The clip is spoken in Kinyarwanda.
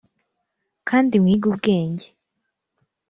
kandi mwige ubwenge.